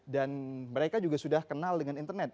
dan mereka juga sudah kenal dengan internet